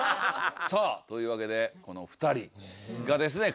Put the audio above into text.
さあというわけでこの２人がですね